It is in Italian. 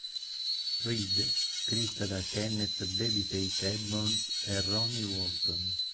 Reid, scritta da Kenneth "Babyface" Edmonds e Ronnie Walton.